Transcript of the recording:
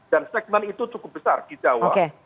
dan segmen itu cukup besar di jawa